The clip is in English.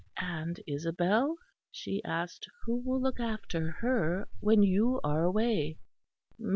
"And Isabel?" she asked, "who will look after her when you are away?"